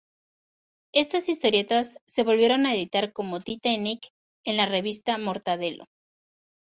Estas historietas se volvieron a editar como "Tita y Nic" en la revista "Mortadelo".